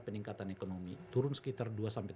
peningkatan ekonomi turun sekitar dua sampai